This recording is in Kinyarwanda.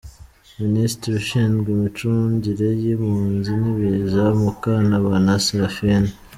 Minisitiri Ushinzwe Imicungire y’Impunzi n’Ibiza : Mukantabana Seraphine